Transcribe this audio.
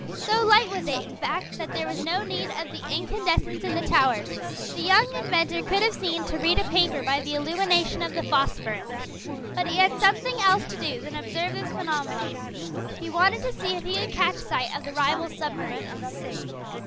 So light was it, in fact, that there was no need of the incandescents in the tower. The young inventor could have seen to read a paper by the illumination of the phosphorus. But he had something else to do than observe this phenomenon. He wanted to see if he could catch sight of the rival submarine.